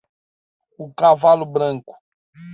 O cavalo branco.